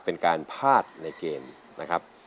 เป็นการพลาดในเกมนะครับ